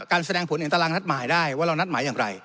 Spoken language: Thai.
แสดงผลเห็นตารางนัดหมายได้ว่าเรานัดหมายอย่างไร